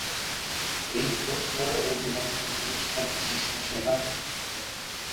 এই পুরস্কারের অধীনস্থ পুরস্কার বিশিষ্ট সেবা পদক।